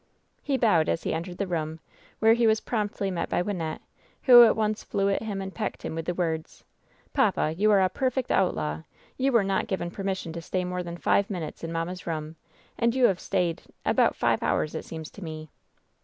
He bowed as he entered the room, where he was promptly met by Wynnette, who at once flew at him and pecked him with the words : "Papa, you are a perfect outlaw. You were not given permission to stay more than five minutes in mamma's room, and you have stayed — about five hours, it seems to me."